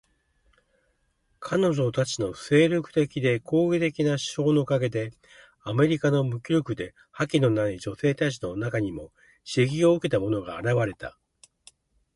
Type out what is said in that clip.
彼女たちの精力的で攻撃的な手法のおかげで、アメリカの無気力で覇気のない女性たちの中にも刺激を受けた者が現れた。